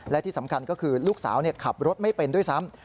และที่สำคัญก็คือลูกสาวขับรถไม่เป็นด้วยซ้ำ